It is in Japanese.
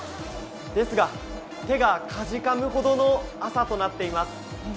ですが手がかじかむほどの朝となっています。